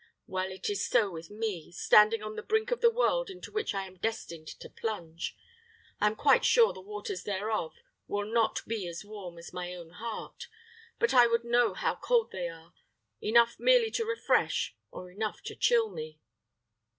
Well, it is so with me, standing on the brink of the world into which I am destined to plunge. I am quite sure the waters thereof will not be as warm as my own heart; but I would know how cold they are enough merely to refresh, or enough to chill me."